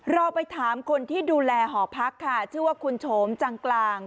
เราไปถามคนที่ดูแลหอพักค่ะชื่อว่าคุณโฉมจังกลาง